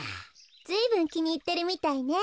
ずいぶんきにいってるみたいね。